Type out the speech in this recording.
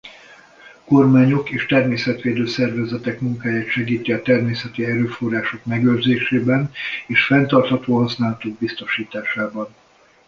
Kormányok és természetvédő szervezetek munkáját segíti a természeti erőforrások megőrzésében és fenntartható használatuk biztosításában.